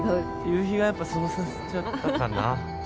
夕日がやっぱそうさせちゃったかな？